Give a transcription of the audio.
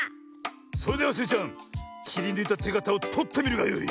それではスイちゃんきりぬいたてがたをとってみるがよい。